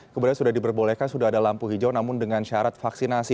kemudian sudah diperbolehkan sudah ada lampu hijau namun dengan syarat vaksinasi